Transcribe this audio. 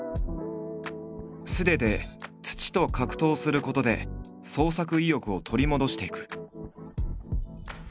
素手で土と格闘することで創作意欲を取り戻していく。